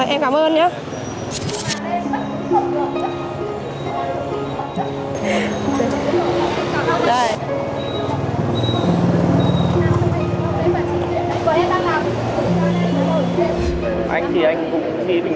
em cảm ơn nhé chào anh ạ